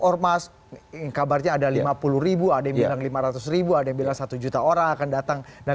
ormas yang kabarnya ada lima puluh ada yang lima ratus ada yang bilang satu juta orang akan datang dan